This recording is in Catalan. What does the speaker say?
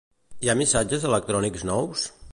Hi ha missatges electrònics nous?